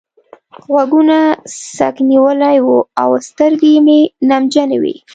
غوږونه څک نيولي وو او سترګې مې نمجنې وې.